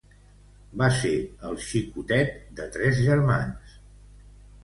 Va ser el xicotet de tres germans.